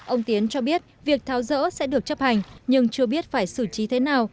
ông tiến cho biết việc tháo rỡ sẽ được chấp hành nhưng chưa biết phải xử trí thế nào